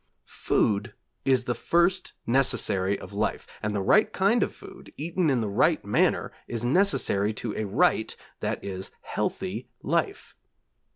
Food is the first necessary of life, and the right kind of food, eaten in the right manner, is necessary to a right, that is, healthy life.